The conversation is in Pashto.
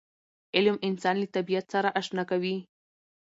علم انسان له طبیعت سره اشنا کوي.